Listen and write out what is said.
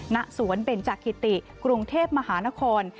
ณสวนเบนจักิติกรุงเทพมหานคร